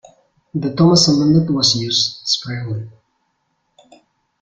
The Thomas Amendment was used sparingly.